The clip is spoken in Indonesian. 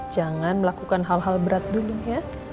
jangan melakukan hal hal berat dulu ya